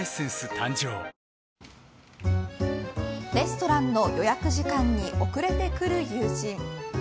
誕生レストランの予約時間に遅れてくる友人。